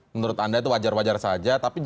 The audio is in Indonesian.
menurut anda itu wajar wajar saja